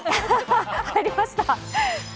入りました。